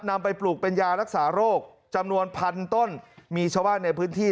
นำไปปลูกเป็นยารักษาโรคจำนวนพันต้นมีชาวบ้านในพื้นที่